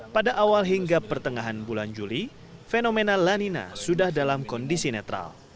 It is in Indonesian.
pada awal hingga pertengahan bulan juli fenomena lanina sudah dalam kondisi netral